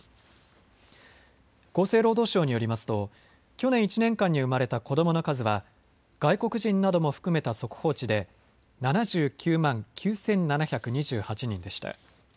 厚生労働省によりますと去年１年間に生まれた子どもの数は外国人なども含めた速報値で７９万９７２８人でした。